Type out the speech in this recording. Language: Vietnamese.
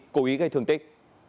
cố ý gây thường tích